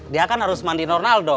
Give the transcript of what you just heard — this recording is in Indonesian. dia kan harus mandi nornaldo